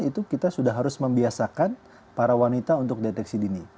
itu kita sudah harus membiasakan para wanita untuk deteksi dini